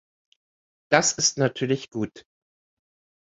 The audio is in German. Das ist natürlich gut.